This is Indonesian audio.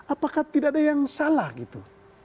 apakah tidak ada yang salah gitu